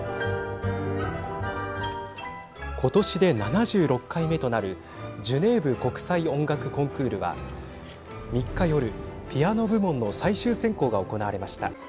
今年で７６回目となるジュネーブ国際音楽コンクールは３日夜、ピアノ部門の最終選考が行われました。